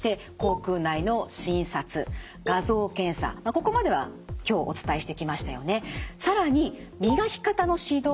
ここまでは今日お伝えしてきましたよね。